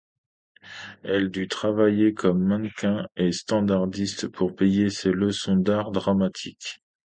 Elle dut travailler comme mannequin et standardiste pour payer ses leçons d'art dramatique.